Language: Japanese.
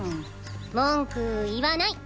文句言わない。